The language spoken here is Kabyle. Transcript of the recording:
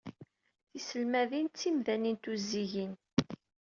Tiselmadin d timdanin tuzzigin.